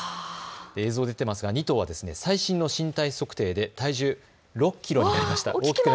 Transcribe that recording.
映像出ていますが２頭は最新の身体測定で体重６キロになりました。